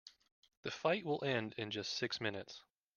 The fight will end in just six minutes.